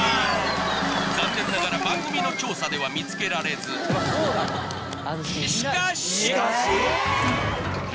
残念ながら番組の調査では見つけられずしかし？